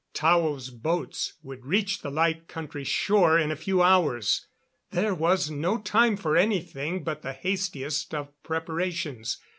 Tao's boats would reach the Light Country shore in a few hours. There was no time for anything but the hastiest of preparations.